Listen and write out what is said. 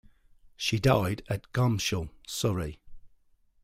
She died at Gomshall, Surrey.